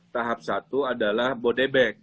tahap satu adalah bodebek